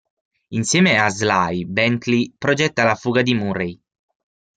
Insieme a Sly, Bentley progetta la fuga di Murray.